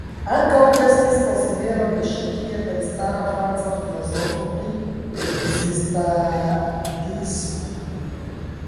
Ankaŭ kreskis konsidero de ŝi kiel elstara franca filozofo pri ekzistadismo.